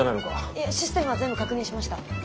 いえシステムは全部確認しました。